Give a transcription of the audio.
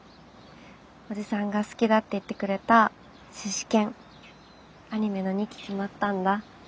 おじさんが好きだって言ってくれたシシケンアニメの二期決まったんだ。